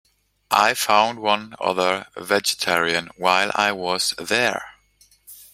I found one other vegetarian while I was there.